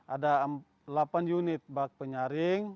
ada delapan unit bak penyaring